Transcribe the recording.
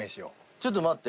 ちょっと待って。